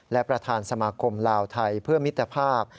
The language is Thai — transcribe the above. และประธานสมาคมลาวไทยเพื่อมิตรภาพ